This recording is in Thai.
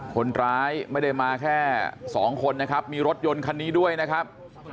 คนร้ายไม่ได้มาแค่สองคนนะครับมีรถยนต์คันนี้ด้วยนะครับ